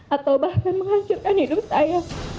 atau bahkan menghancurkan hidup saya